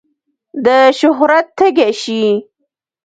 د شهرت تږی شي.